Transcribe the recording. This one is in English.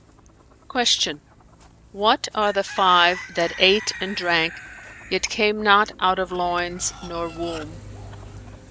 '"[FN#432] Q "What are the five that ate and drank, yet came not out of loins nor womb?"